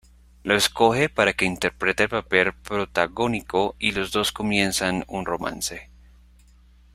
Lo escoge para que interprete el papel protagónico y los dos comienzan un romance.